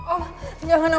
oh jangan om